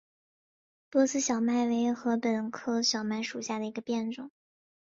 波斯小麦为禾本科小麦属下的一个变种。